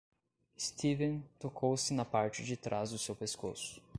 Steven tocou-se na parte de trás do seu pescoço.